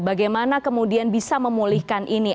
bagaimana kemudian bisa memulihkan ini